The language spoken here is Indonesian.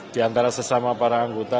di antara sesama para anggota